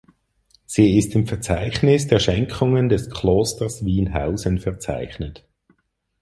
Sie ist im Verzeichnis der Schenkungen des Klosters Wienhausen verzeichnet.